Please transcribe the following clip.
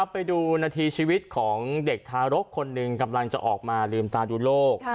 ไปดูนาทีชีวิตของเด็กทารกคนหนึ่งกำลังจะออกมาลืมตาดูโลก